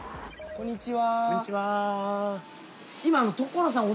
こんにちは。